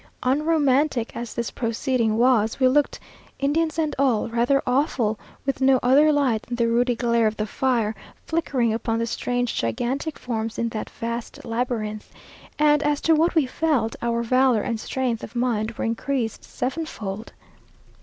Unromantic as this proceeding was, we looked, Indians and all, rather awful, with no other light than the ruddy glare of the fire, flickering upon the strange, gigantic forms in that vast labyrinth; and as to what we felt, our valour and strength of mind were increased sevenfold.